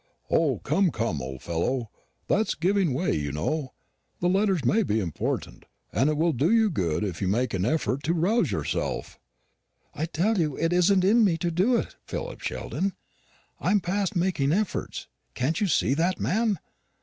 "O, come, come, old fellow! That's giving way, you know. The letters may be important; and it will do you good if you make an effort to rouse yourself." "I tell you it isn't in me to do it, Philip Sheldon. I'm past making efforts. Can't you see that, man?